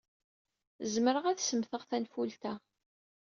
Zemreɣ ad semmteɣ tanfult-a?